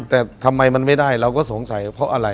แต่ทำไมมันไม่ได้เราก็สงสัยเพราะอะไร